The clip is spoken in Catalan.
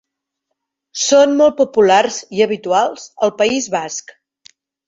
Són molt populars i habituals al País Basc.